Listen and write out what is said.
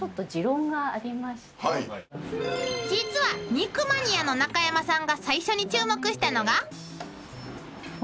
［実は肉マニアの中山さんが最初に注目したのが］